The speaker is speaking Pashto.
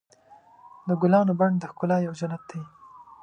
د ګلانو بڼ د ښکلا یو جنت دی.